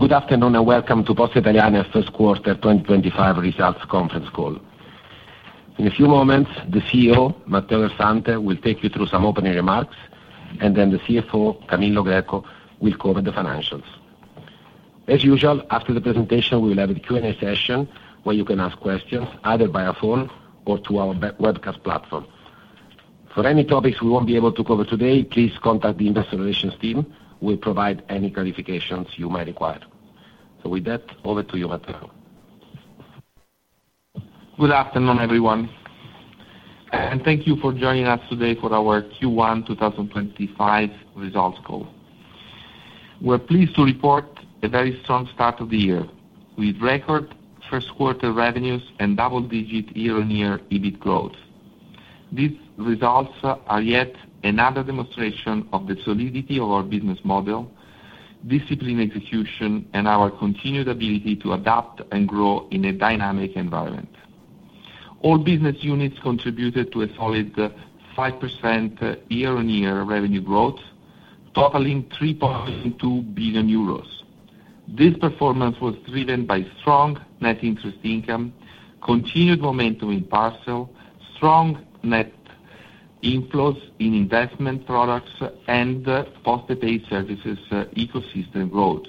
Good afternoon and welcome to Poste Italiane First Quarter 2025 Results Conference Call. In a few moments, the CEO, Matteo Del Fante, will take you through some opening remarks, and then the CFO, Camillo Greco, will cover the financials. As usual, after the presentation, we will have a Q&A session where you can ask questions either via phone or through our webcast platform. For any topics we won't be able to cover today, please contact the Investor Relations team. We'll provide any clarifications you may require. So with that, over to you, Matteo. Good afternoon, everyone, and thank you for joining us today for our Q1 2025 Results Call. We're pleased to report a very strong start of the year with record first quarter revenues and double-digit year-on-year EBIT growth. These results are yet another demonstration of the solidity of our business model, discipline execution, and our continued ability to adapt and grow in a dynamic environment. All business units contributed to a solid 5% year-on-year revenue growth, totaling 3.2 billion euros. This performance was driven by strong net interest income, continued momentum in parcel, strong net inflows in investment products, and Postepay services ecosystem growth.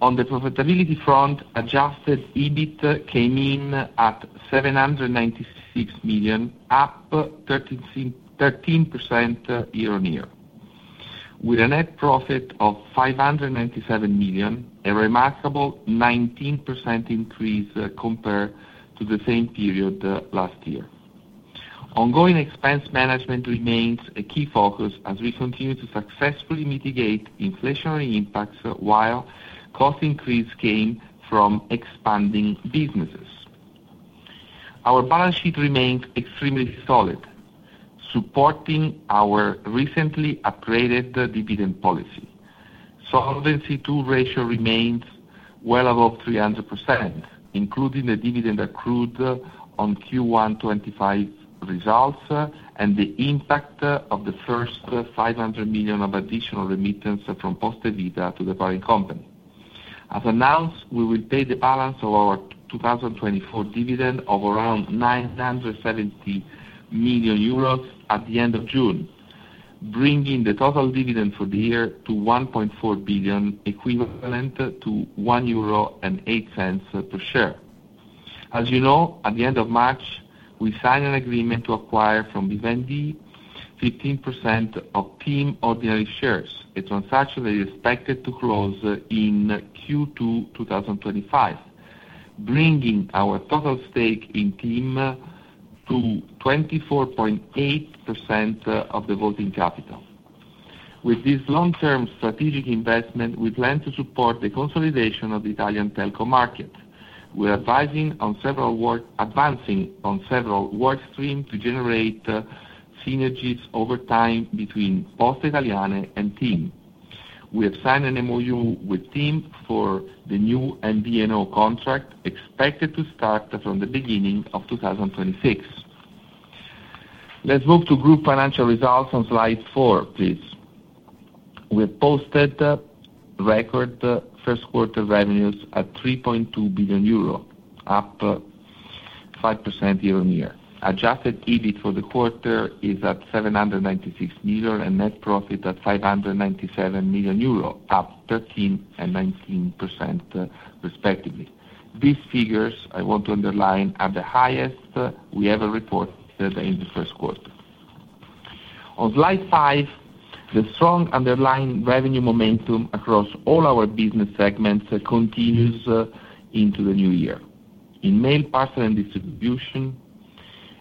On the profitability front, adjusted EBIT came in at 796 million, up 13% year-on-year, with a net profit of 597 million, a remarkable 19% increase compared to the same period last year. Ongoing expense management remains a key focus as we continue to successfully mitigate inflationary impacts while cost increase came from expanding businesses. Our balance sheet remains extremely solid, supporting our recently upgraded dividend policy. Solvency II ratio remains well above 300%, including the dividend accrued on Q1 2025 results and the impact of the first 500 million of additional remittance from Poste Vita to the parent company. As announced, we will pay the balance of our 2024 dividend of around 970 million euros at the end of June, bringing the total dividend for the year to 1.4 billion, equivalent to 1.08 euro per share. As you know, at the end of March, we signed an agreement to acquire from Vivendi 15% of TIM ordinary shares, a transaction that is expected to close in Q2 2025, bringing our total stake in TIM to 24.8% of the voting capital. With this long-term strategic investment, we plan to support the consolidation of the Italian telco market. We're advancing on several work streams to generate synergies over time between Poste Italiane and TIM. We have signed an MoU with TIM for the new MVNO contract, expected to start from the beginning of 2026. Let's move to group financial results on slide four, please. We have posted record first quarter revenues at 3.2 billion euro, up 5% year-on-year. Adjusted EBIT for the quarter is at 796 million and net profit at 597 million euro, up 13% and 19%, respectively. These figures, I want to underline, are the highest we ever reported in the first quarter. On slide five, the strong underlying revenue momentum across all our business segments continues into the new year. In mail parcel and distribution,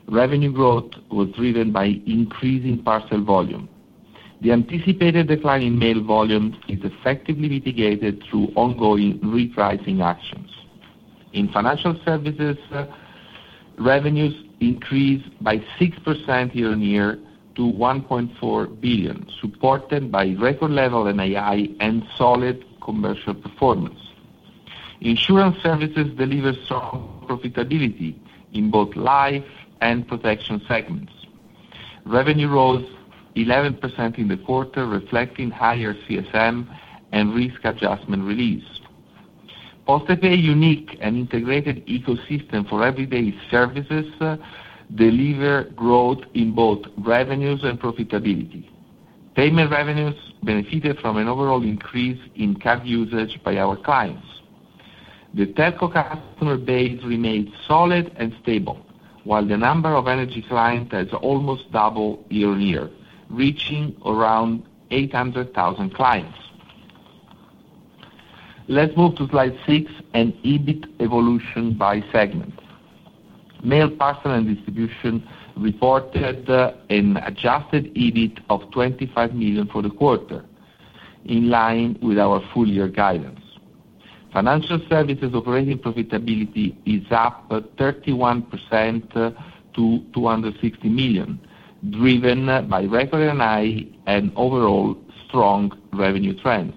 revenue growth was driven by increasing parcel volume. The anticipated decline in mail volume is effectively mitigated through ongoing repricing actions. In financial services, revenues increased by 6% year-on-year to 1.4 billion, supported by record level NII and solid commercial performance. Insurance services deliver strong profitability in both life and protection segments. Revenue rose 11% in the quarter, reflecting higher CSM and risk adjustment release. Postepay unique and integrated ecosystem for everyday services delivered growth in both revenues and profitability. Payment revenues benefited from an overall increase in card usage by our clients. The telco customer base remained solid and stable, while the number of energy clients has almost doubled year-on-year, reaching around 800,000 clients. Let's move to slide six and EBIT evolution by segment. Mail, Parcel and Distribution reported an adjusted EBIT of 25 million for the quarter, in line with our full-year guidance. Financial Services operating profitability is up 31% to 260 million, driven by record NII and overall strong revenue trends.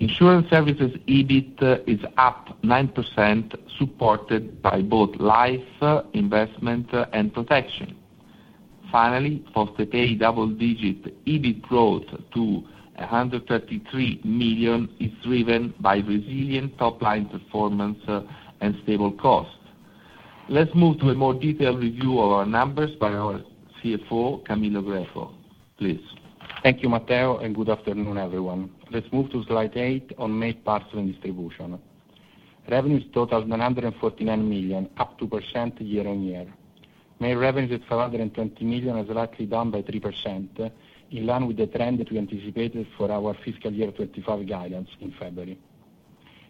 Insurance Services EBIT is up 9%, supported by both life, investment, and protection. Finally, Postepay double-digit EBIT growth to 133 million is driven by resilient top-line performance and stable cost. Let's move to a more detailed review of our numbers by our CFO, Camillo Greco, please. Thank you, Matteo, and good afternoon, everyone. Let's move to slide eight on mail parcel and distribution. Revenues totaled 949 million, up 2% year-on-year. Mail revenues at 520 million are slightly down by 3%, in line with the trend that we anticipated for our fiscal year 2025 guidance in February.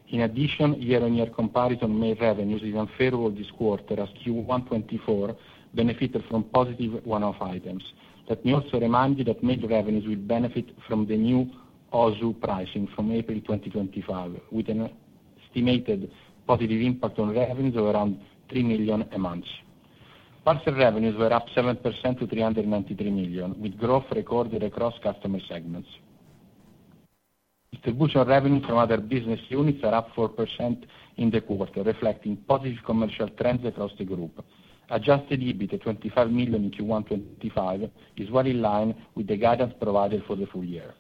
In addition, year-on-year comparison mail revenues is unfavorable this quarter as Q1 2024 benefited from positive one-off items. Let me also remind you that mail revenues will benefit from the new USO pricing from April 2025, with an estimated positive impact on revenues of around 3 million a month. Parcel revenues were up 7% to 393 million, with growth recorded across customer segments. Distribution revenues from other business units are up 4% in the quarter, reflecting positive commercial trends across the group. Adjusted EBIT at 25 million in Q1 2025 is well in line with the guidance provided for the full year.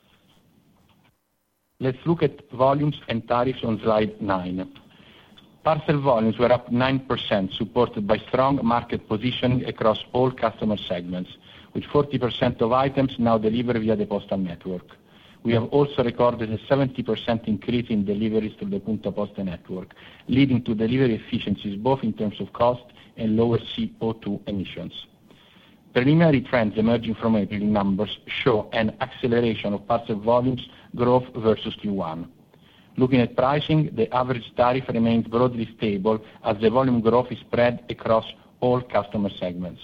Let's look at volumes and tariffs on slide nine. Parcel volumes were up 9%, supported by strong market positioning across all customer segments, with 40% of items now delivered via the postal network. We have also recorded a 70% increase in deliveries through the Punto Poste network, leading to delivery efficiencies both in terms of cost and lower CO2 emissions. Preliminary trends emerging from April numbers show an acceleration of parcel volumes growth versus Q1. Looking at pricing, the average tariff remains broadly stable as the volume growth is spread across all customer segments.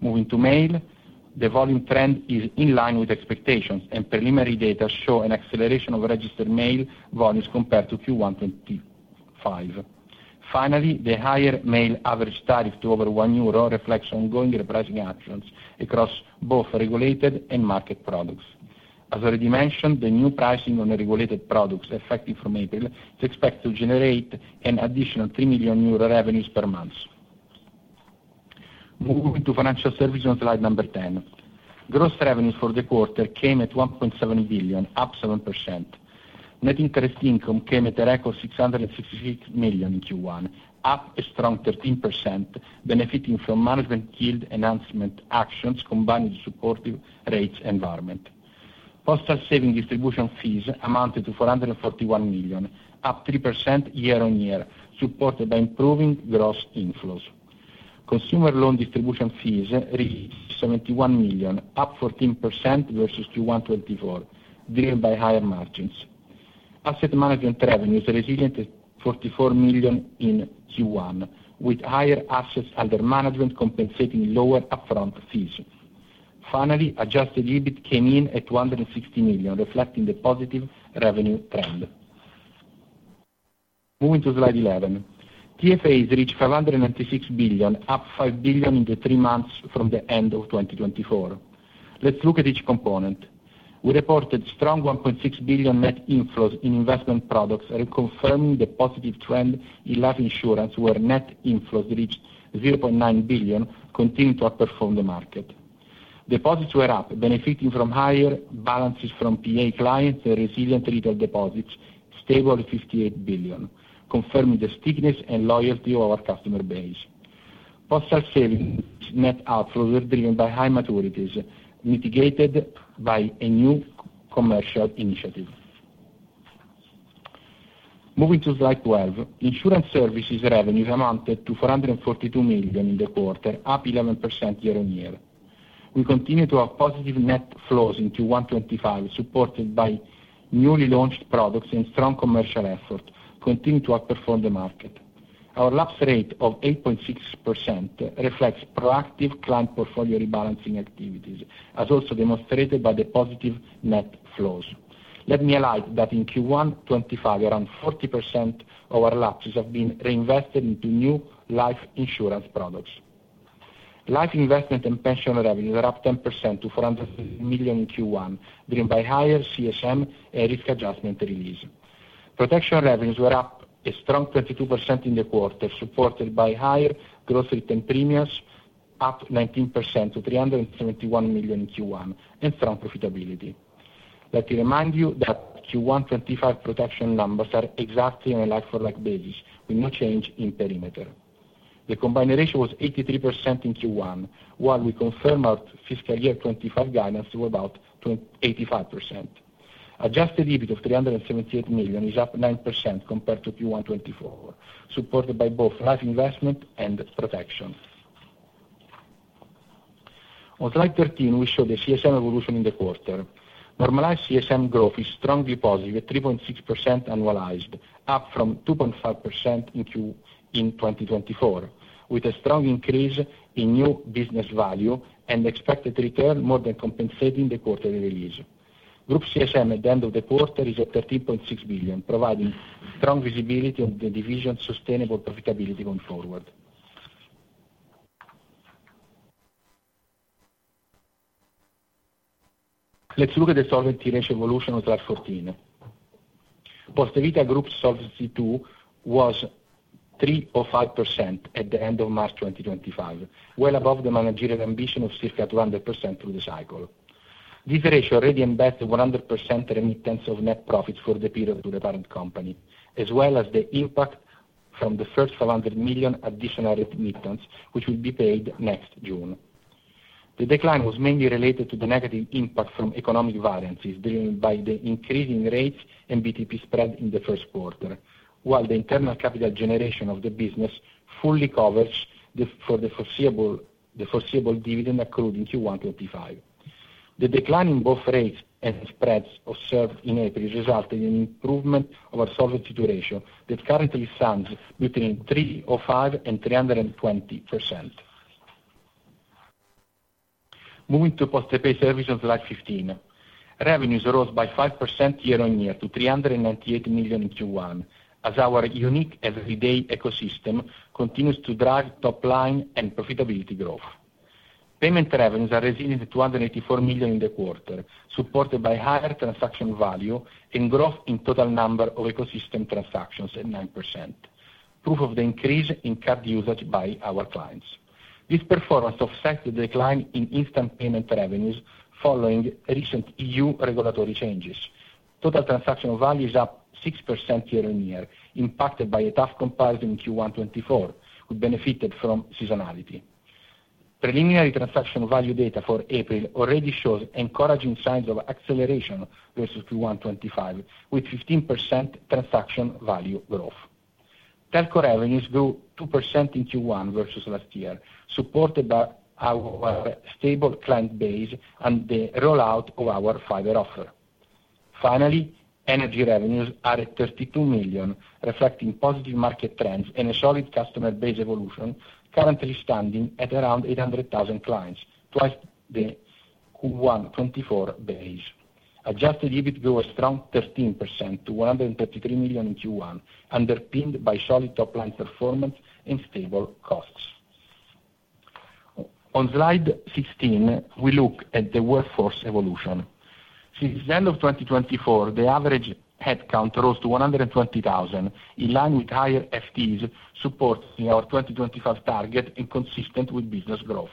Moving to mail, the volume trend is in line with expectations, and preliminary data show an acceleration of registered mail volumes compared to Q1 2025. Finally, the higher mail average tariff to over 1 euro reflects ongoing repricing actions across both regulated and market products. As already mentioned, the new pricing on regulated products effective from April is expected to generate an additional 3 million euro revenues per month. Moving to financial services on slide number ten. Gross revenues for the quarter came at 1.7 billion, up 7%. Net interest income came at a record 666 million in Q1, up a strong 13%, benefiting from management yield enhancement actions combined with supportive rates environment. Postal saving distribution fees amounted to 441 million, up 3% year-on-year, supported by improving gross inflows. Consumer loan distribution fees reached 71 million, up 14% versus Q1 2024, driven by higher margins. Asset management revenues resilient at 44 million in Q1, with higher assets under management compensating lower upfront fees. Finally, adjusted EBIT came in at 260 million, reflecting the positive revenue trend. Moving to slide eleven, TFAs reached 596 billion, up 5 billion in the three months from the end of 2024. Let's look at each component. We reported strong 1.6 billion net inflows in investment products, confirming the positive trend in life insurance, where net inflows reached 0.9 billion, continuing to outperform the market. Deposits were up, benefiting from higher balances from PA clients and resilient retail deposits, stable at 58 billion, confirming the stickiness and loyalty of our customer base. Postal savings net outflows were driven by high maturities, mitigated by a new commercial initiative. Moving to slide twelve, insurance services revenues amounted to 442 million in the quarter, up 11% year-on-year. We continue to have positive net flows in Q1 2025, supported by newly launched products and strong commercial efforts, continuing to outperform the market. Our lapse rate of 8.6% reflects proactive client portfolio rebalancing activities, as also demonstrated by the positive net flows. Let me highlight that in Q1 2025, around 40% of our lapses have been reinvested into new life insurance products. Life investment and pension revenues are up 10% to 470 million in Q1, driven by higher CSM and risk adjustment release. Protection revenues were up a strong 22% in the quarter, supported by higher gross return premiums, up 19% to 371 million in Q1, and strong profitability. Let me remind you that Q1 2025 protection numbers are exactly on a like-for-like basis, with no change in perimeter. The combined ratio was 83% in Q1, while we confirmed our fiscal year 2025 guidance to about 85%. Adjusted EBIT of 378 million is up 9% compared to Q1 2024, supported by both life investment and protection. On slide 13, we show the CSM evolution in the quarter. Normalized CSM growth is strongly positive, at 3.6% annualized, up from 2.5% in Q1 2024, with a strong increase in new business value and expected return more than compensating the quarterly release. Group CSM at the end of the quarter is at 13.6 billion, providing strong visibility on the division's sustainable profitability going forward. Let's look at the solvency ratio evolution on slide 14. Poste Vita Group's solvency ratio was 203% or 205% at the end of March 2025, well above the managerial ambition of circa 200% through the cycle. This ratio already embeds the 100% remittance of net profits for the period to the parent company, as well as the impact from the first 500 million additional remittance, which will be paid next June. The decline was mainly related to the negative impact from economic variances, driven by the increasing rates and BTP spread in the first quarter, while the internal capital generation of the business fully covers for the foreseeable dividend accrued in Q1 2025. The decline in both rates and spreads observed in April resulted in an improvement of our solvency ratio that currently stands at 315% or so. Moving to Postepay services on slide 15, revenues rose by 5% year-on-year to 398 million in Q1, as our unique everyday ecosystem continues to drive top-line and profitability growth. Payment revenues are resilient at 284 million in the quarter, supported by higher transaction value and growth in total number of ecosystem transactions at 9%, proof of the increase in card usage by our clients. This performance offsets the decline in instant payment revenues following recent EU regulatory changes. Total transaction value is up 6% year-on-year, impacted by a tough comparison in Q1 2024, who benefited from seasonality. Preliminary transaction value data for April already shows encouraging signs of acceleration versus Q1 2025, with 15% transaction value growth. Telco revenues grew 2% in Q1 versus last year, supported by our stable client base and the rollout of our fiber offer. Finally, energy revenues are at 32 million, reflecting positive market trends and a solid customer base evolution, currently standing at around 800,000 clients, twice the Q1 2024 base. Adjusted EBIT grew a strong 13% to 133 million in Q1, underpinned by solid top-line performance and stable costs. On slide 16, we look at the workforce evolution. Since the end of 2024, the average headcount rose to 120,000, in line with higher FTEs supporting our 2025 target and consistent with business growth.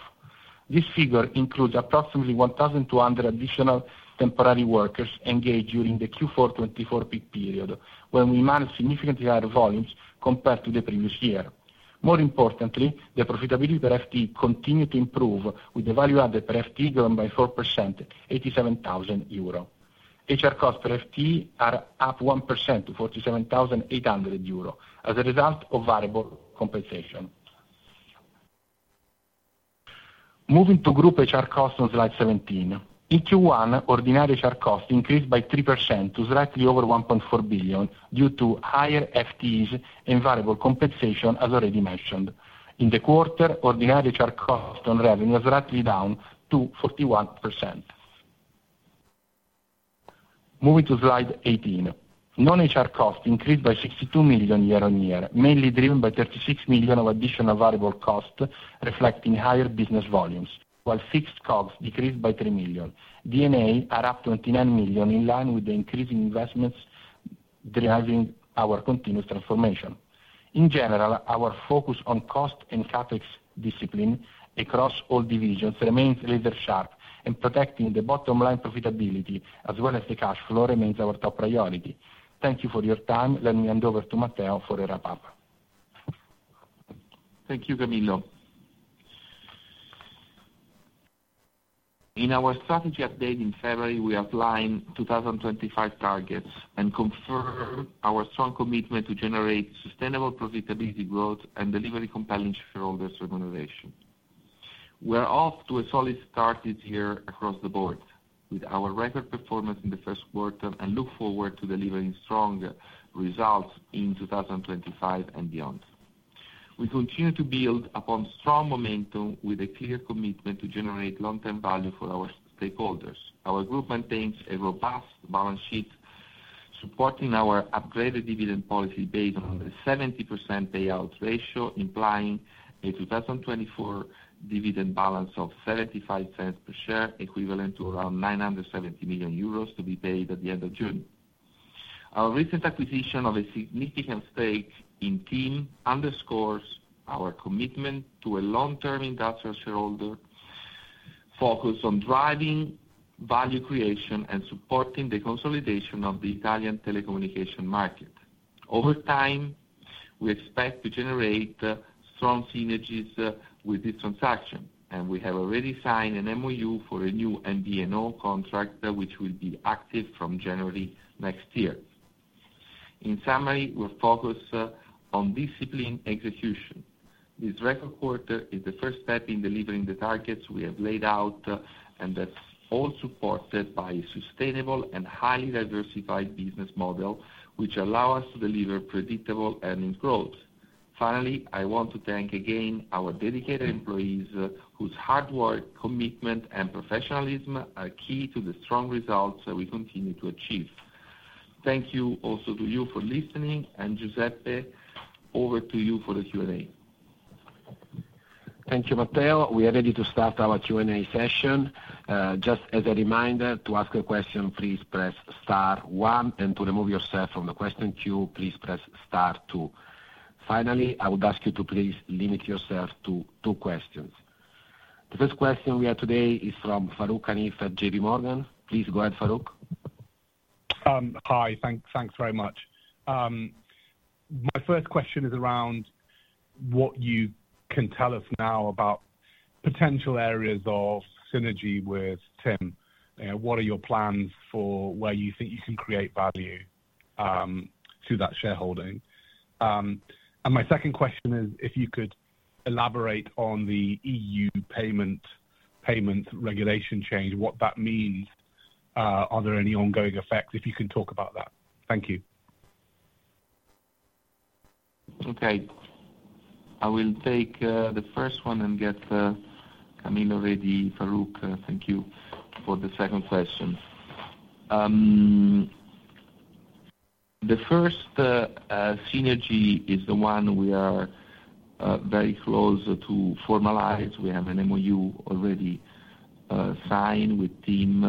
This figure includes approximately 1,200 additional temporary workers engaged during the Q4 2024 peak period, when we managed significantly higher volumes compared to the previous year. More importantly, the profitability per FTE continued to improve, with the value added per FTE growing by 4%, 87,000 euro. HR costs per FTE are up 1% to 47,800 euro, as a result of variable compensation. Moving to group HR costs on slide seventeen. In Q1, ordinary HR costs increased by 3% to slightly over 1.4 billion, due to higher FTEs and variable compensation, as already mentioned. In the quarter, ordinary HR costs on revenue are slightly down to 41%. Moving to slide eighteen, non-HR costs increased by 62 million year-on-year, mainly driven by 36 million of additional variable cost, reflecting higher business volumes, while fixed costs decreased by 3 million. NII are up 29 million, in line with the increase in investments driving our continuous transformation. In general, our focus on cost and CapEx discipline across all divisions remains razor-sharp, and protecting the bottom-line profitability as well as the cash flow remains our top priority. Thank you for your time. Let me hand over to Matteo for a wrap-up. Thank you, Camillo. In our strategy update in February, we outline 2025 targets and confirm our strong commitment to generate sustainable profitability growth and deliver compelling shareholders' remuneration. We are off to a solid start this year across the board, with our record performance in the first quarter, and look forward to delivering strong results in 2025 and beyond. We continue to build upon strong momentum with a clear commitment to generate long-term value for our stakeholders. Our group maintains a robust balance sheet, supporting our upgraded dividend policy based on a 70% payout ratio, implying a 2024 dividend balance of 0.75 per share, equivalent to around 970 million euros to be paid at the end of June. Our recent acquisition of a significant stake in TIM underscores our commitment to a long-term industrial shareholder focus on driving value creation and supporting the consolidation of the Italian telecommunication market. Over time, we expect to generate strong synergies with this transaction, and we have already signed an MoU for a new MVNO contract, which will be active from January next year. In summary, we're focused on disciplined execution. This record quarter is the first step in delivering the targets we have laid out, and that's all supported by a sustainable and highly diversified business model, which allows us to deliver predictable earnings growth. Finally, I want to thank again our dedicated employees, whose hard work, commitment, and professionalism are key to the strong results that we continue to achieve. Thank you also to you for listening, and Giuseppe, over to you for the Q&A. Thank you, Matteo. We are ready to start our Q&A session. Just as a reminder, to ask a question, please press star one, and to remove yourself from the question queue, please press star two. Finally, I would ask you to please limit yourself to two questions. The first question we have today is from Farooq Hanif at J.P. Morgan. Please go ahead, Farooq. Hi, thanks very much. My first question is around what you can tell us now about potential areas of synergy with TIM. What are your plans for where you think you can create value to that shareholding? And my second question is if you could elaborate on the EU payment regulation change, what that means, are there any ongoing effects, if you can talk about that. Thank you. Okay. I will take the first one and get Camillo ready. Farooq, thank you for the second question. The first synergy is the one we are very close to formalize. We have an MoU already signed with TIM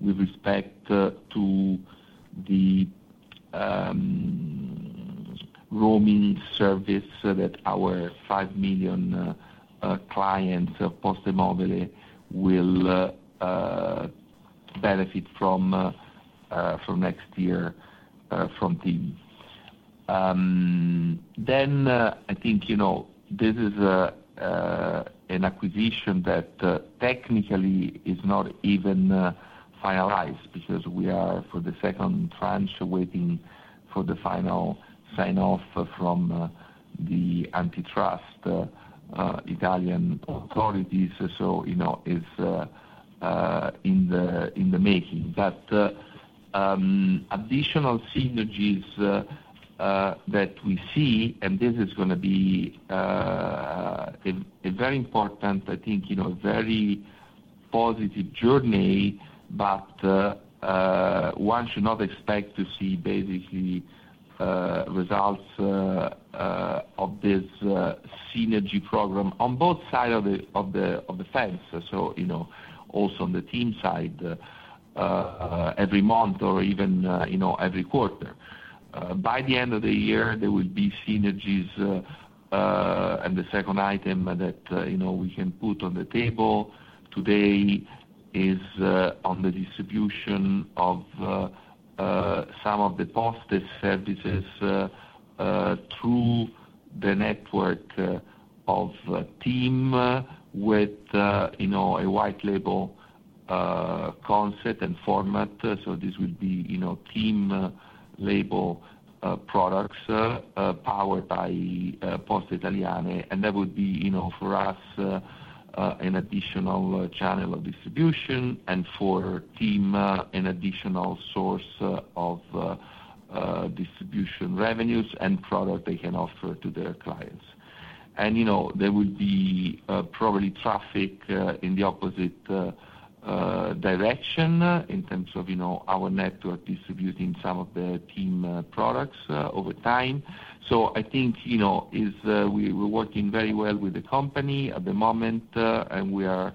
with respect to the roaming service that our 5 million clients of PosteMobile will benefit from next year from TIM, then I think this is an acquisition that technically is not even finalized because we are, for the second tranche, waiting for the final sign-off from the antitrust Italian authorities, so it's in the making, but additional synergies that we see, and this is going to be a very important, I think, a very positive journey, but one should not expect to see basically results of this synergy program on both sides of the fence, so also on the TIM side every month or even every quarter. By the end of the year, there will be synergies, and the second item that we can put on the table today is on the distribution of some of the Poste services through the network of TIM with a white label concept and format. So this would be TIM label products powered by Poste Italiane, and that would be, for us, an additional channel of distribution, and for TIM, an additional source of distribution revenues and product they can offer to their clients. And there will be probably traffic in the opposite direction in terms of our network distributing some of the TIM products over time. So I think we're working very well with the company at the moment, and we are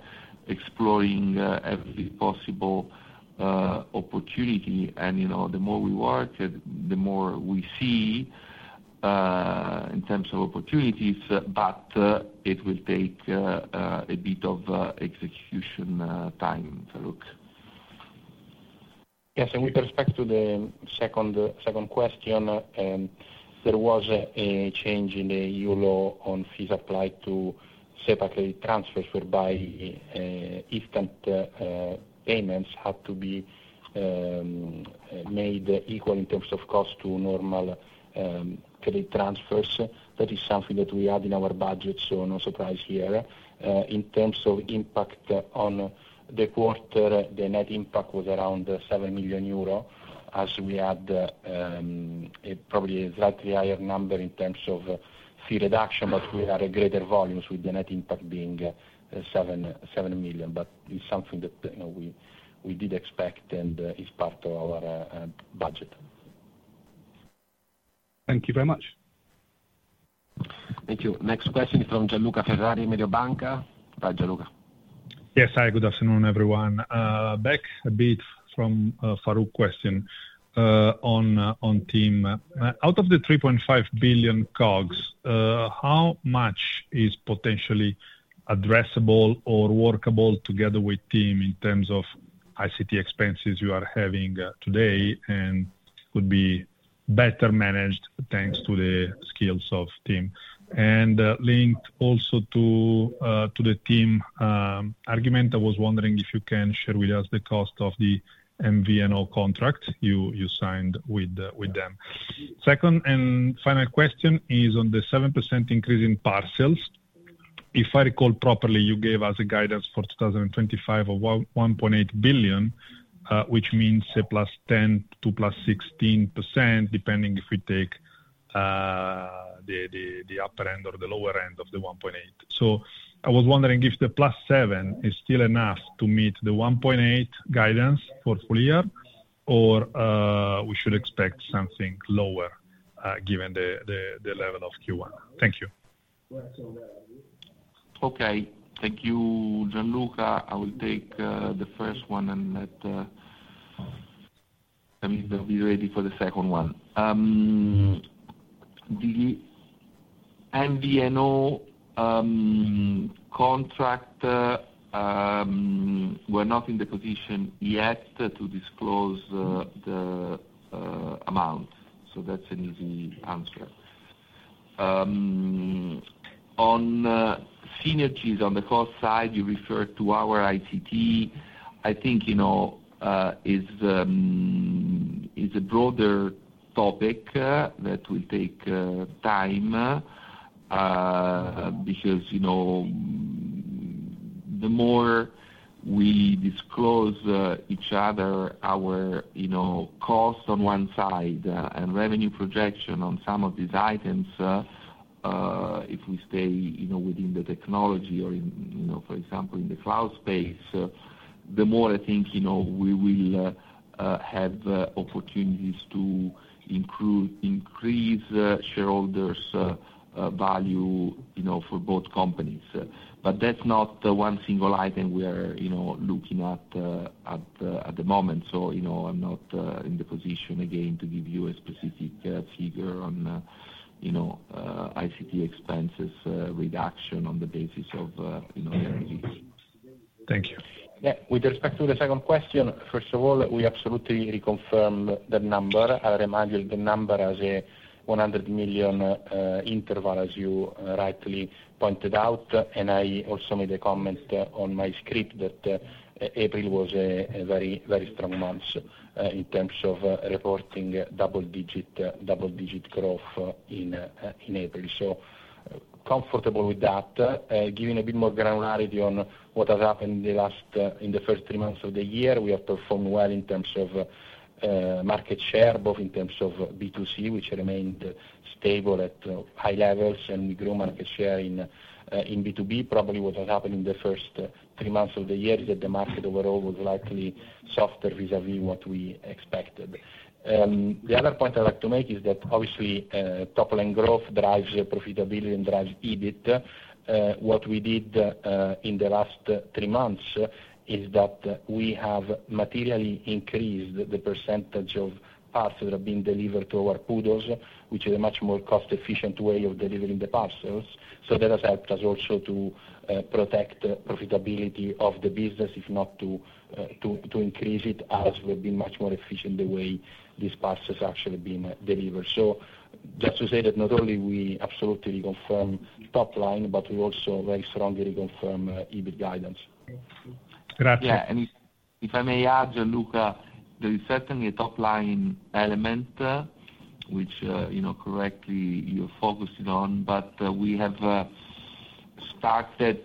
exploring every possible opportunity. And the more we work, the more we see in terms of opportunities, but it will take a bit of execution time, Farooq. Yes, and with respect to the second question, there was a change in the EU law on fees applied to SEPA credit transfers, whereby instant payments had to be made equal in terms of cost to normal credit transfers. That is something that we had in our budget, so no surprise here. In terms of impact on the quarter, the net impact was around 7 million euro, as we had probably a slightly higher number in terms of fee reduction, but we had greater volumes, with the net impact being 7 million. But it's something that we did expect and is part of our budget. Thank you very much. Thank you. Next question is from Gianluca Ferrari, Mediobanca. Hi, Gianluca. Yes, hi, good afternoon, everyone. Back a bit from Farooq's question on TIM. Out of the 3.5 billion COGS, how much is potentially addressable or workable together with TIM in terms of ICT expenses you are having today and could be better managed thanks to the skills of TIM? And linked also to the TIM argument, I was wondering if you can share with us the cost of the MVNO contract you signed with them. Second and final question is on the 7% increase in parcels. If I recall properly, you gave us a guidance for 2025 of 1.8 billion, which means a +10% to +16%, depending if we take the upper end or the lower end of the 1.8. So I was wondering if the plus 7 is still enough to meet the 1.8 guidance for full year, or we should expect something lower given the level of Q1? Thank you. Okay, thank you, Gianluca. I will take the first one and let Camillo be ready for the second one. The MVNO contract, we're not in the position yet to disclose the amount, so that's an easy answer. On synergies on the cost side, you referred to our ICT. I think it's a broader topic that will take time because the more we disclose each other our cost on one side and revenue projection on some of these items, if we stay within the technology or, for example, in the cloud space, the more I think we will have opportunities to increase shareholders' value for both companies. But that's not the one single item we are looking at at the moment, so I'm not in the position again to give you a specific figure on ICT expenses reduction on the basis of their release. Thank you. Yeah, with respect to the second question, first of all, we absolutely reconfirm the number. I'll remind you of the number as a 100 million interval, as you rightly pointed out. I also made a comment on my script that April was a very strong month in terms of reporting double-digit growth in April. So comfortable with that. Giving a bit more granularity on what has happened in the first three months of the year, we have performed well in terms of market share, both in terms of B2C, which remained stable at high levels, and we grew market share in B2B. Probably what has happened in the first three months of the year is that the market overall was likely softer vis-à-vis what we expected. The other point I'd like to make is that, obviously, top-line growth drives profitability and drives EBIT. What we did in the last three months is that we have materially increased the percentage of parcels that have been delivered to our PUDOs, which is a much more cost-efficient way of delivering the parcels. So that has helped us also to protect profitability of the business, if not to increase it, as we've been much more efficient the way these parcels have actually been delivered. So just to say that not only we absolutely reconfirm top-line, but we also very strongly reconfirm EBIT guidance. Grazie. Yeah, and if I may add, Gianluca, there is certainly a top-line element, which correctly you're focusing on, but we have started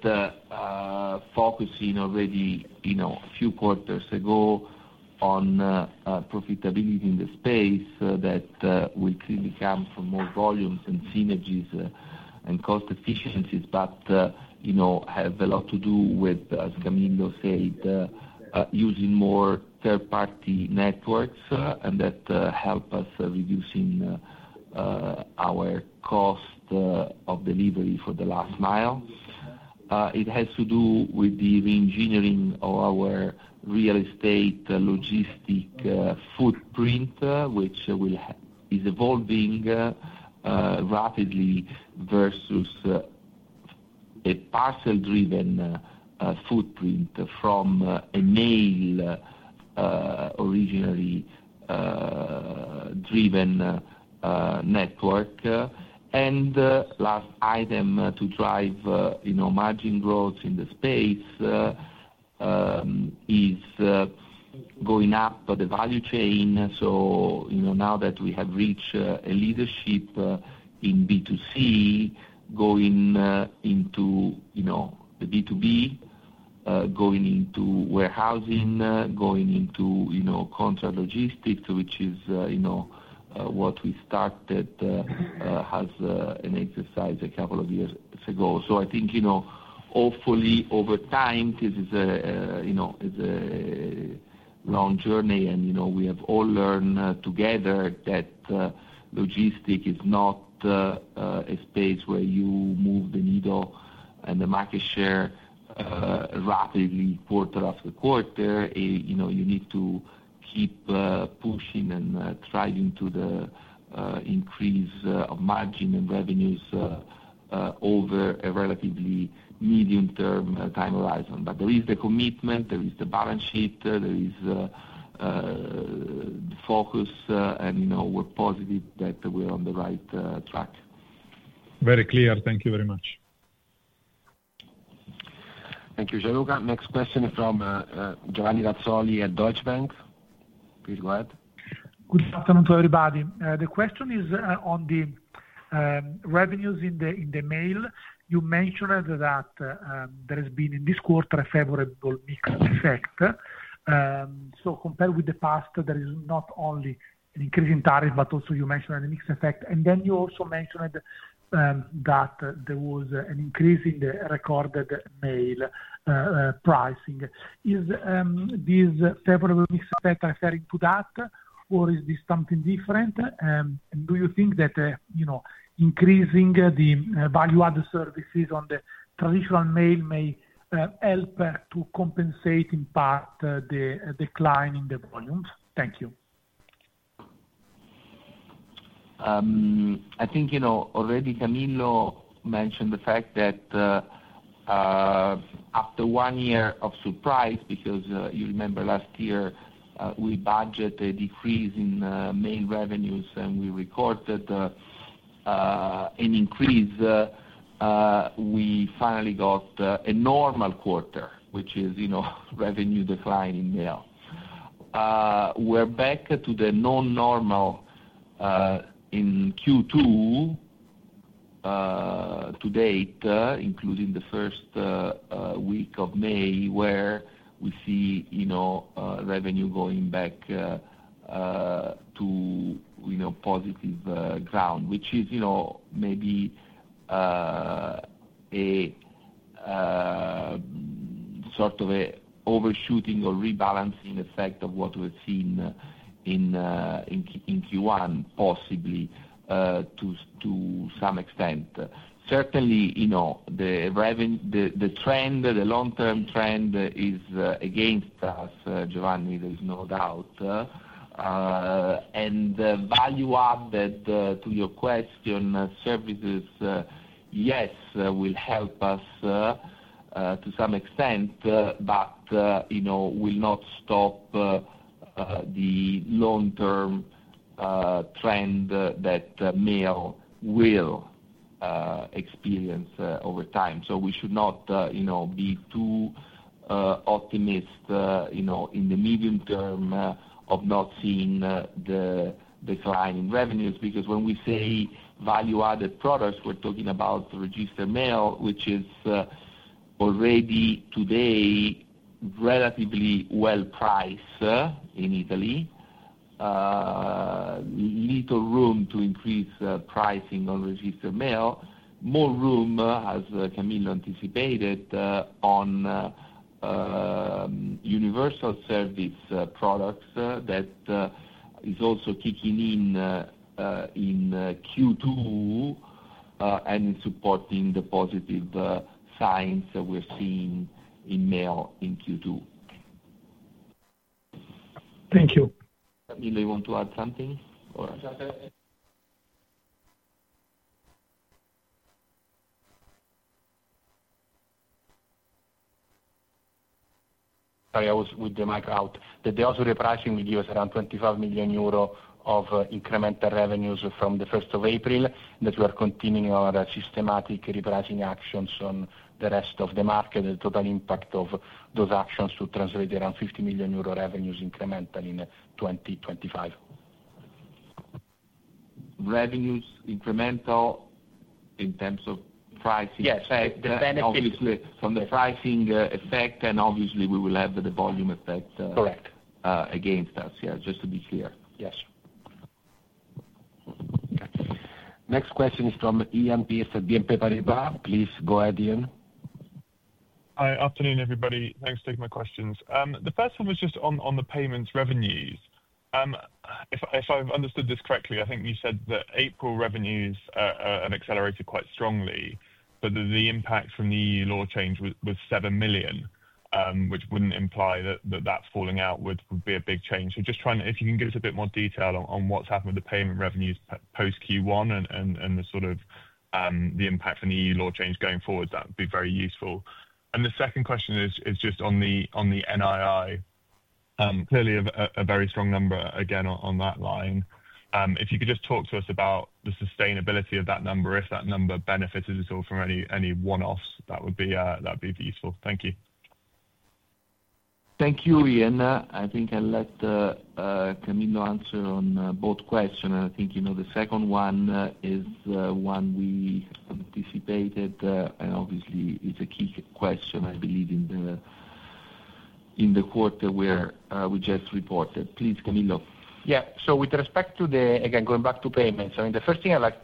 focusing already a few quarters ago on profitability in the space that will clearly come from more volumes and synergies and cost efficiencies, but have a lot to do with, as Camillo said, using more third-party networks and that help us reducing our cost of delivery for the last mile. It has to do with the re-engineering of our real estate logistic footprint, which is evolving rapidly versus a parcel-driven footprint from a mail originally driven network. And last item to drive margin growth in the space is going up the value chain. So now that we have reached a leadership in B2C, going into the B2B, going into warehousing, going into contract logistics, which is what we started as an exercise a couple of years ago. So I think, hopefully, over time, this is a long journey, and we have all learned together that logistics is not a space where you move the needle and the market share rapidly quarter after quarter. You need to keep pushing and striving to the increase of margin and revenues over a relatively medium-term time horizon. But there is the commitment, there is the balance sheet, there is the focus, and we're positive that we're on the right track. Very clear. Thank you very much. Thank you, Gianluca. Next question is from Giovanni Razzoli at Deutsche Bank. Please go ahead. Good afternoon to everybody. The question is on the revenues in the mail. You mentioned that there has been, in this quarter, a favorable mixed effect. So compared with the past, there is not only an increase in tariff, but also you mentioned a mixed effect. And then you also mentioned that there was an increase in the recorded mail pricing. Is this favorable mixed effect referring to that, or is this something different? And do you think that increasing the value-added services on the traditional mail may help to compensate in part the decline in the volumes? Thank you. I think already Camillo mentioned the fact that after one year of surprise, because you remember last year we budgeted a decrease in mail revenues and we recorded an increase, we finally got a normal quarter, which is revenue decline in mail. We're back to the non-normal in Q2 to date, including the first week of May, where we see revenue going back to positive ground, which is maybe a sort of an overshooting or rebalancing effect of what we've seen in Q1, possibly to some extent. Certainly, the trend, the long-term trend is against us, Giovanni, there's no doubt and value-added, to your question, services, yes, will help us to some extent, but will not stop the long-term trend that mail will experience over time. So we should not be too optimistic in the medium term of not seeing the decline in revenues, because when we say value-added products, we're talking about registered mail, which is already today relatively well priced in Italy. Little room to increase pricing on registered mail. More room, as Camillo anticipated, on universal service products that is also kicking in in Q2 and is supporting the positive signs that we're seeing in mail in Q2. Thank you. Camillo, you want to add something? Sorry, I was with the mic out. The deals with the pricing will give us around 25 million euro of incremental revenues from the 1st of April, that we are continuing our systematic repricing actions on the rest of the market. The total impact of those actions to translate around 50 million euro revenues incremental in 2025. Revenues incremental in terms of pricing effect? Yes, the benefits. Obviously, from the pricing effect, and obviously, we will have the volume effect against us, yeah, just to be clear. Yes. Okay. Next question is from Iain Pearce at BNP Paribas. Please go ahead, Iain. Hi, afternoon, everybody. Thanks for taking my questions. The first one was just on the payments revenues. If I've understood this correctly, I think you said that April revenues have accelerated quite strongly, but the impact from the EU law change was 7 million, which wouldn't imply that that falling out would be a big change. So just trying to, if you can give us a bit more detail on what's happened with the payment revenues post Q1 and the sort of the impact from the EU law change going forward, that would be very useful. And the second question is just on the NII. Clearly, a very strong number again on that line. If you could just talk to us about the sustainability of that number, if that number benefited at all from any one-offs, that would be useful. Thank you. Thank you, Ian. I think I'll let Camillo answer on both questions. I think the second one is one we anticipated, and obviously, it's a key question, I believe, in the quarter we just reported. Please, Camillo. Yeah, so with respect to the, again, going back to payments, I mean, the first thing I'd like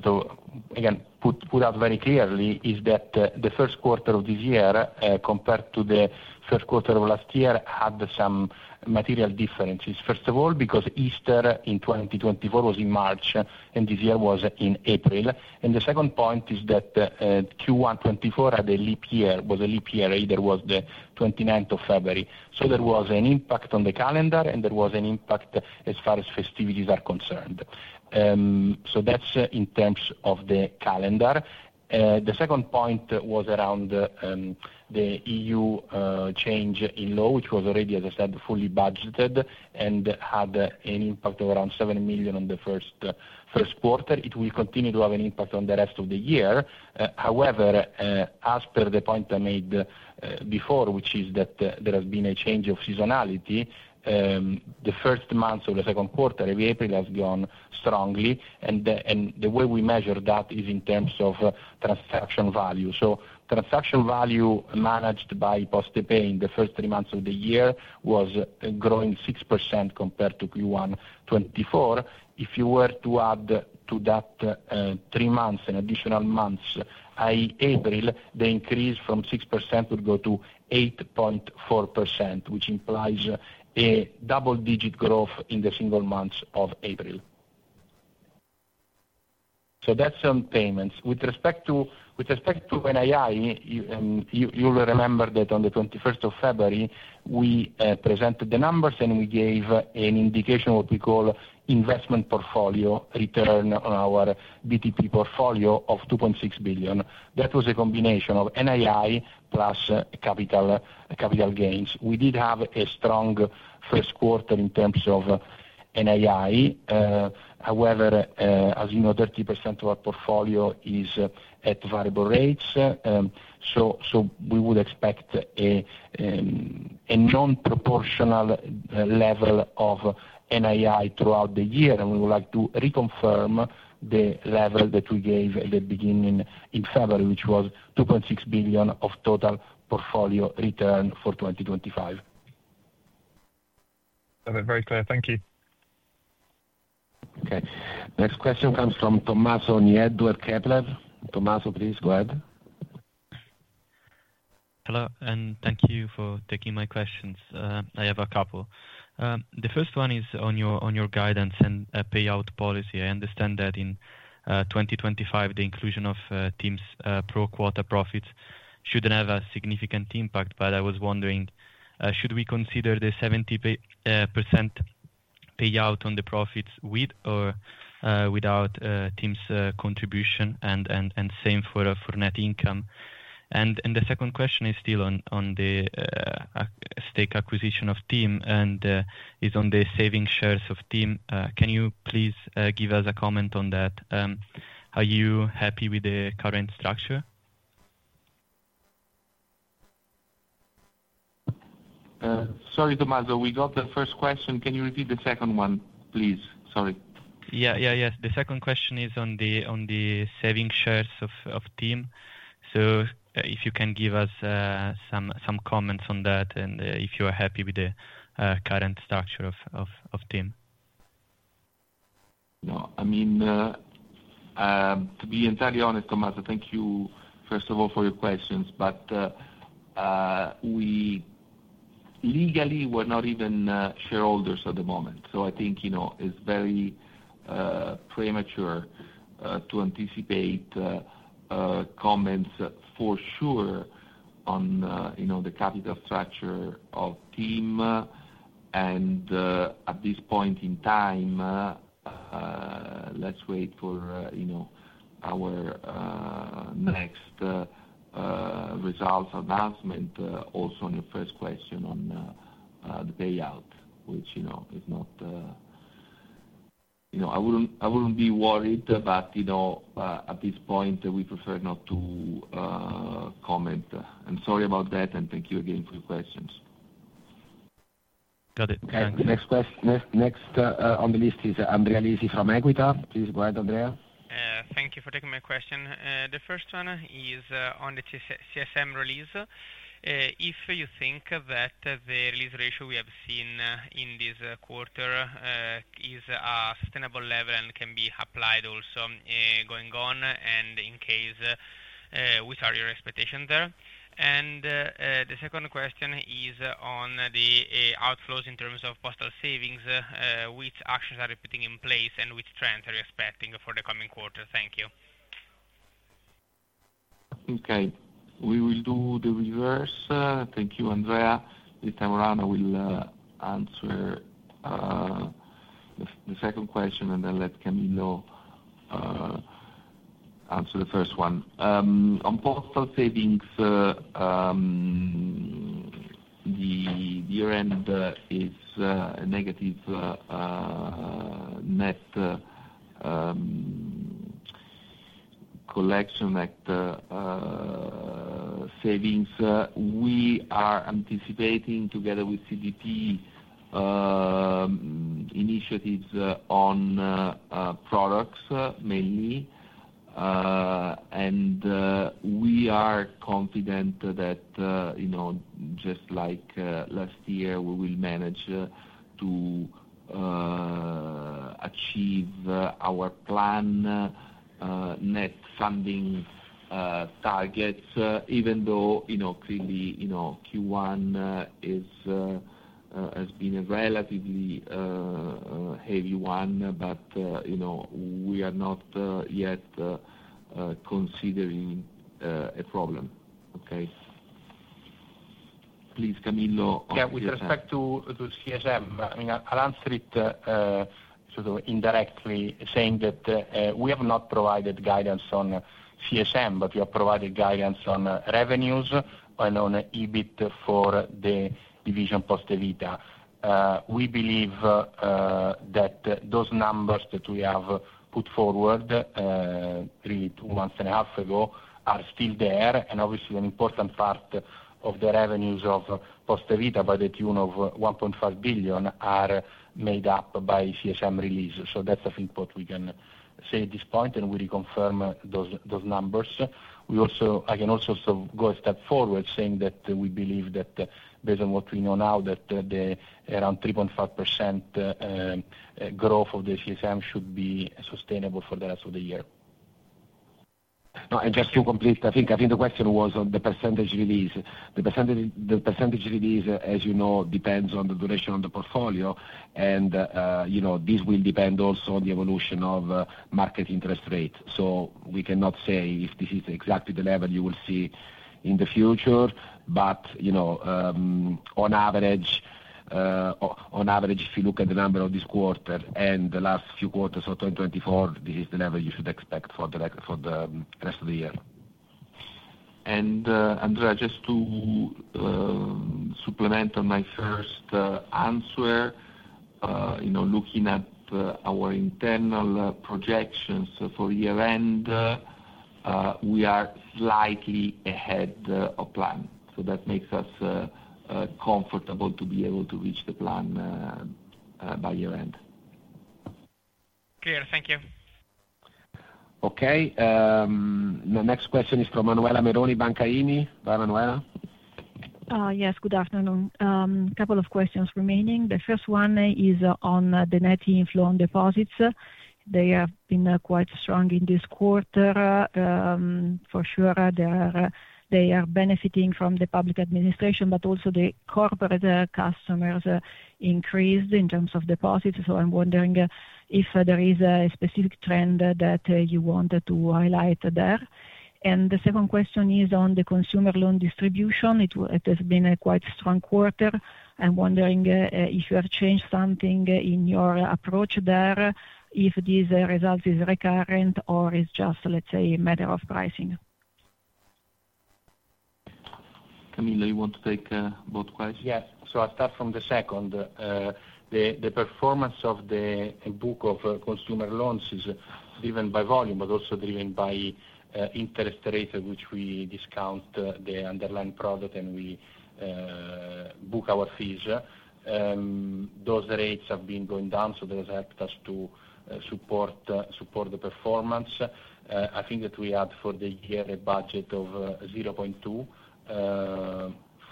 to, again, put out very clearly is that the first quarter of this year, compared to the first quarter of last year, had some material differences. First of all, because Easter in 2024 was in March and this year was in April. And the second point is that Q1 2024 was a leap year, the 29th of February. So there was an impact on the calendar and there was an impact as far as festivities are concerned. So that's in terms of the calendar. The second point was around the EU change in law, which was already, as I said, fully budgeted and had an impact of around 7 million in the first quarter. It will continue to have an impact on the rest of the year. However, as per the point I made before, which is that there has been a change of seasonality, the first months of the second quarter, every April, has gone strongly, and the way we measure that is in terms of transaction value, so transaction value managed by Postepay in the first three months of the year was growing 6% compared to Q1 2024. If you were to add to that three months, an additional month, i.e., April, the increase from 6% would go to 8.4%, which implies a double-digit growth in the single months of April, so that's on payments. With respect to NII, you'll remember that on the 21st of February, we presented the numbers and we gave an indication of what we call investment portfolio return on our BTP portfolio of 2.6 billion. That was a combination of NII plus capital gains. We did have a strong first quarter in terms of NII. However, as you know, 30% of our portfolio is at variable rates. So we would expect a non-proportional level of NII throughout the year, and we would like to reconfirm the level that we gave at the beginning in February, which was 2.6 billion of total portfolio return for 2025. That's very clear. Thank you. Okay. Next question comes from Tommaso Nieddu, Kepler Cheuvreux. Tommaso, please go ahead. Hello, and thank you for taking my questions. I have a couple. The first one is on your guidance and payout policy. I understand that in 2025, the inclusion of TIM's pro quota profits shouldn't have a significant impact, but I was wondering, should we consider the 70% payout on the profits with or without TIM's contribution, and same for net income? And the second question is still on the stake acquisition of TIM and is on the saving shares of TIM. Can you please give us a comment on that? Are you happy with the current structure? Sorry, Tommaso, we got the first question. Can you repeat the second one, please? Sorry. Yeah, yeah, yes. The second question is on the stake in TIM. So if you can give us some comments on that and if you are happy with the current structure of TIM. No, I mean, to be entirely honest, Tommaso, thank you, first of all, for your questions, but we legally were not even shareholders at the moment. So I think it's very premature to anticipate comments for sure on the capital structure of TIM. And at this point in time, let's wait for our next results announcement, also on your first question on the payout, which is not I wouldn't be worried, but at this point, we prefer not to comment. I'm sorry about that, and thank you again for your questions. Got it. Thanks. Next on the list is Andrea Lisi from Equita. Please go ahead, Andrea. Thank you for taking my question. The first one is on the CSM release. If you think that the release ratio we have seen in this quarter is a sustainable level and can be applied also going on, and in case, what are your expectations there? And the second question is on the outflows in terms of postal savings, which actions are being in place and which trends are you expecting for the coming quarter? Thank you. Okay. We will do the reverse. Thank you, Andrea. This time around, I will answer the second question and then let Camillo answer the first one. On postal savings, the year-end is a negative net collection at savings. We are anticipating, together with CDP, initiatives on products mainly. And we are confident that, just like last year, we will manage to achieve our planned net funding targets, even though clearly Q1 has been a relatively heavy one, but we are not yet considering a problem. Okay? Please, Camillo. Yeah, with respect to CSM, I mean, I'll answer it sort of indirectly, saying that we have not provided guidance on CSM, but we have provided guidance on revenues and on EBIT for the division Poste Vita. We believe that those numbers that we have put forward, really, two months and a half ago, are still there. And obviously, an important part of the revenues of Poste Vita to the tune of 1.5 billion are made up by CSM release. So that's the input we can say at this point, and we reconfirm those numbers. I can also go a step forward, saying that we believe that, based on what we know now, that around 3.5% growth of the CSM should be sustainable for the rest of the year. No, just to complete, I think the question was on the percentage release. The percentage release, as you know, depends on the duration of the portfolio, and this will depend also on the evolution of market interest rates. So we cannot say if this is exactly the level you will see in the future, but on average, if you look at the number of this quarter and the last few quarters of 2024, this is the level you should expect for the rest of the year. And Andrea, just to supplement on my first answer, looking at our internal projections for year-end, we are slightly ahead of plan. So that makes us comfortable to be able to reach the plan by year-end. Clear. Thank you. Okay. The next question is from Manuela Meroni, Intesa Sanpaolo. Hi, Manuela. Yes, good afternoon. A couple of questions remaining. The first one is on the net inflow on deposits. They have been quite strong in this quarter. For sure, they are benefiting from the public administration, but also the corporate customers increased in terms of deposits. So I'm wondering if there is a specific trend that you want to highlight there. And the second question is on the consumer loan distribution. It has been a quite strong quarter. I'm wondering if you have changed something in your approach there, if this result is recurrent or it's just, let's say, a matter of pricing. Camillo, you want to take both questions? Yes. So I'll start from the second. The performance of the book of consumer loans is driven by volume, but also driven by interest rates, which we discount the underlying product and we book our fees. Those rates have been going down, so those helped us to support the performance. I think that we had for the year a budget of 0.2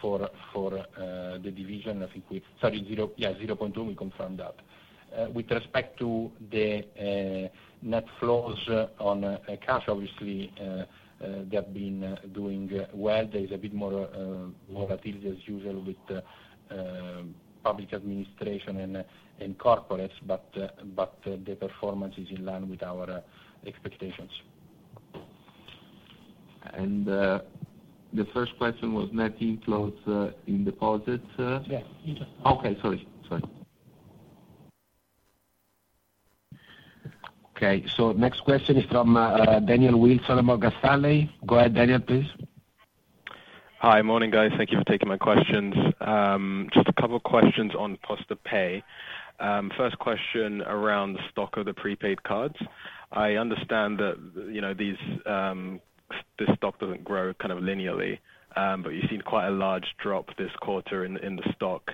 for the division. I think we, sorry, 0.2, we confirmed that. With respect to the net flows on cash, obviously, they have been doing well. There is a bit more volatility as usual with public administration and corporates, but the performance is in line with our expectations. The first question was net inflows in deposits. Yes. Next question is from Daniel Wilson of Morgan Stanley. Go ahead, Daniel, please. Hi, morning, guys. Thank you for taking my questions. Just a couple of questions on Postepay. First question around the stock of the prepaid cards. I understand that this stock doesn't grow kind of linearly, but you've seen quite a large drop this quarter in the stock.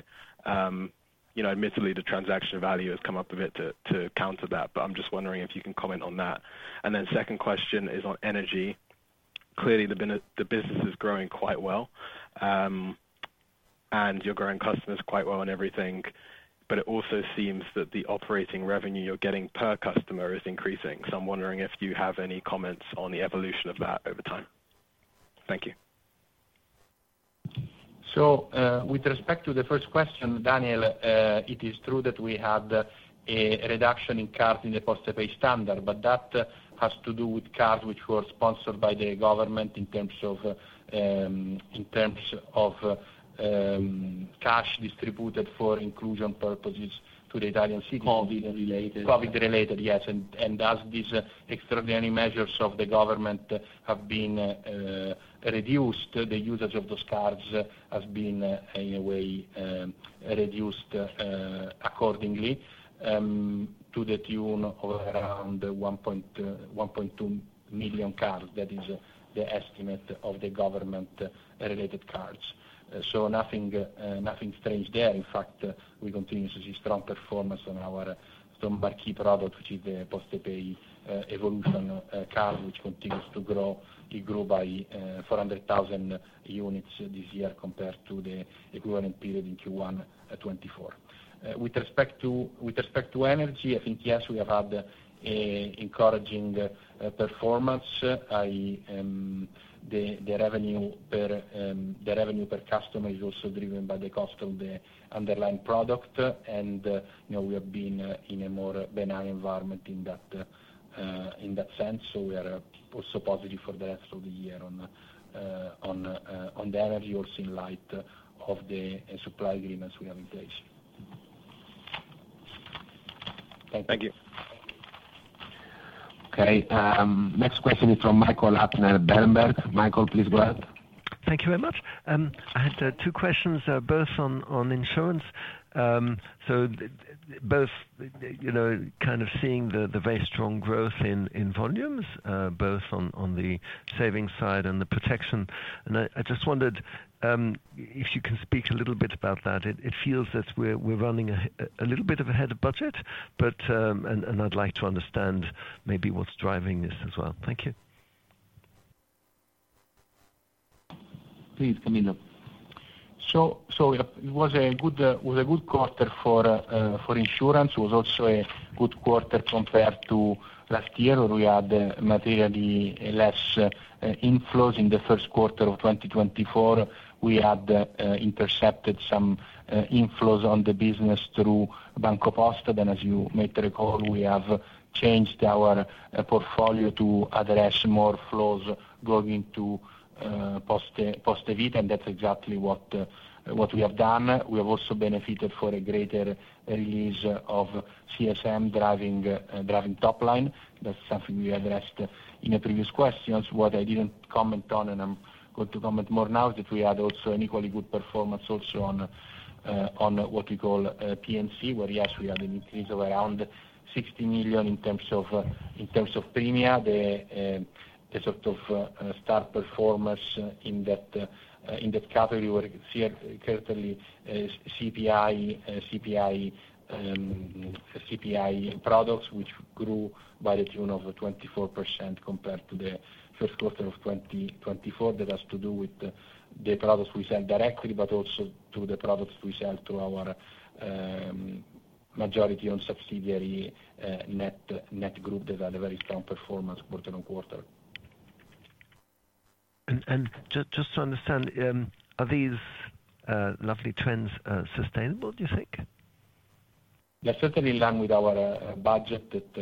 Admittedly, the transaction value has come up a bit to counter that, but I'm just wondering if you can comment on that. And then second question is on energy. Clearly, the business is growing quite well, and you're growing customers quite well and everything, but it also seems that the operating revenue you're getting per customer is increasing. So I'm wondering if you have any comments on the evolution of that over time. Thank you. So with respect to the first question, Daniel, it is true that we had a reduction in cards in the Postepay Standard, but that has to do with cards which were sponsored by the government in terms of cash distributed for inclusion purposes to the Italian cities. COVID-related. COVID-related, yes. And as these extraordinary measures of the government have been reduced, the usage of those cards has been, in a way, reduced accordingly to the tune of around 1.2 million cards. That is the estimate of the government-related cards. So nothing strange there. In fact, we continue to see strong performance on our staple key product, which is the Postepay Evolution card, which continues to grow. It grew by 400,000 units this year compared to the equivalent period in Q1 2024. With respect to energy, I think, yes, we have had encouraging performance. The revenue per customer is also driven by the cost of the underlying product, and we have been in a more benign environment in that sense. So we are also positive for the rest of the year on the energy, also in light of the supply agreements we have in place. Thank you. Thank you. Okay. Next question is from Michael Huttner, Berenberg. Michael, please go ahead. Thank you very much. I had two questions, both on insurance, so both kind of seeing the very strong growth in volumes, both on the savings side and the protection, and I just wondered if you can speak a little bit about that. It feels that we're running a little bit ahead of budget, and I'd like to understand maybe what's driving this as well. Thank you. Please, Camillo. It was a good quarter for insurance. It was also a good quarter compared to last year, where we had materially less inflows. In the first quarter of 2024, we had intercepted some inflows on the business through BancoPosta. And as you may recall, we have changed our portfolio to address more flows going to Poste Vita, and that's exactly what we have done. We have also benefited from a greater release of CSM driving top line. That's something we addressed in the previous questions. What I didn't comment on, and I'm going to comment more now, is that we had also an equally good performance also on what we call P&C, where, yes, we had an increase of around 60 million in terms of premiums. The standout performance in that category was certainly CPI products, which grew to the tune of 24% compared to the first quarter of 2024. That has to do with the products we sell directly, but also to the products we sell to our majority-owned subsidiary Net Group that had a very strong performance quarter on quarter. Just to understand, are these lovely trends sustainable, do you think? They're certainly in line with our budget that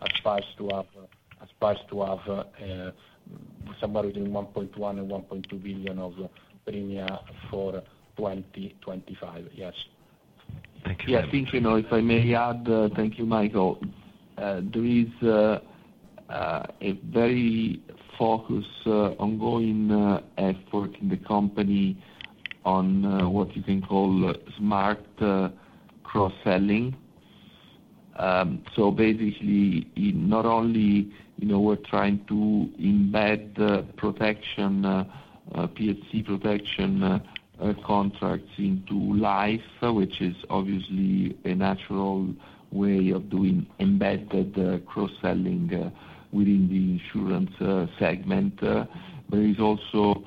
aspires to have somewhere between 1.1 billion and 1.2 billion of premia for 2025. Yes. Thank you. Yeah, I think, if I may add, thank you, Michael. There is a very focused ongoing effort in the company on what you can call smart cross-selling. So basically, not only we're trying to embed CPI protection contracts into life, which is obviously a natural way of doing embedded cross-selling within the insurance segment, but there is also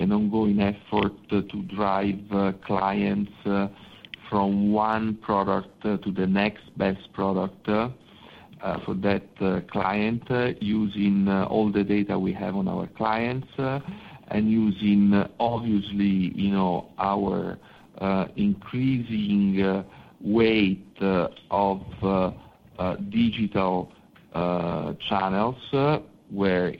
an ongoing effort to drive clients from one product to the next best product for that client, using all the data we have on our clients and using, obviously, our increasing weight of digital channels, where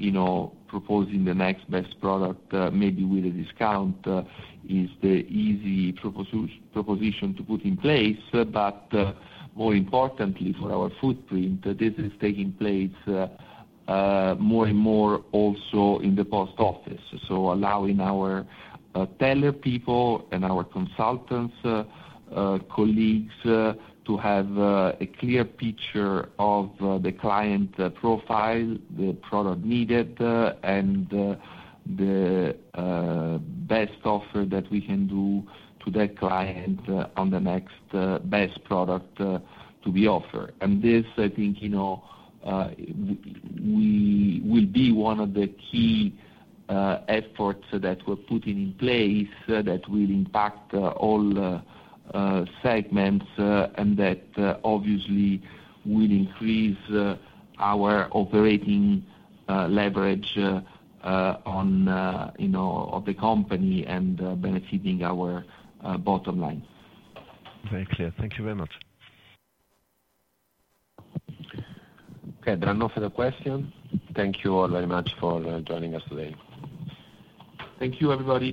proposing the next best product, maybe with a discount, is the easy proposition to put in place. But more importantly, for our footprint, this is taking place more and more also in the post office. So allowing our teller people and our consultants, colleagues, to have a clear picture of the client profile, the product needed, and the best offer that we can do to that client on the next best product to be offered. And this, I think, will be one of the key efforts that we're putting in place that will impact all segments and that, obviously, will increase our operating leverage of the company and benefiting our bottom line. Very clear. Thank you very much. Okay. There are no further questions. Thank you all very much for joining us today. Thank you, everyone.